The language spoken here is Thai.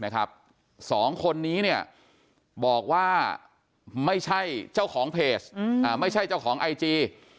สองคนนี้บอกว่าไม่ใช่เจ้าของเพจไม่ใช่เจ้าของไอจี